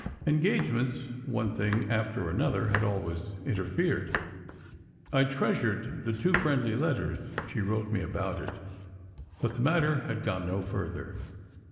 Engagements, one thing after another, had always interfered. I treasured the two friendly letters she wrote me about it, but the matter had gone no further.